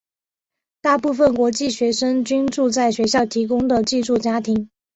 大部分国际学生均住在学校提供的寄住家庭。